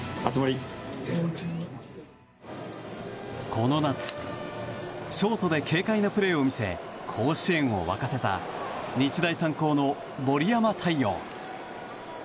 この夏、ショートで軽快なプレーを見せ甲子園を沸かせた日大三高の森山太陽。